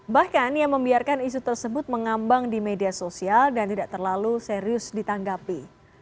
bahkan yang membiarkan isu tersebut mengambang di media sosial dan tidak terlalu serius ditanggapi